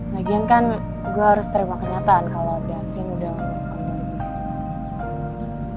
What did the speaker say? lagian kan gue harus terima kenyataan kalau yatin udah mau kontar udah